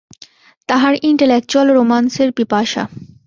তাহার ইনটেলেকচুয়াল রোমান্সের পিপাসা।